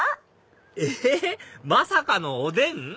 えっ⁉まさかのおでん？